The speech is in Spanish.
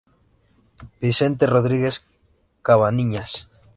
Vicente Rodríguez Cabanillas.